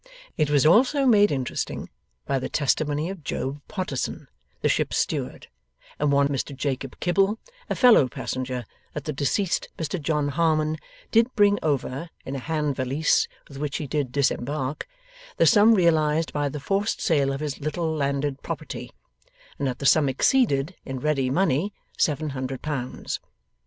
It was also made interesting by the testimony of Job Potterson, the ship's steward, and one Mr Jacob Kibble, a fellow passenger, that the deceased Mr John Harmon did bring over, in a hand valise with which he did disembark, the sum realized by the forced sale of his little landed property, and that the sum exceeded, in ready money, seven hundred pounds.